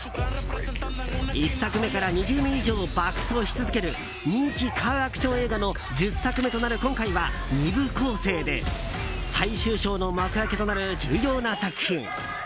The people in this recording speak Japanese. １作目から２０年以上爆走し続ける人気カーアクション映画の１０作目となる今回は２部構成で最終章の幕開けとなる重要な作品。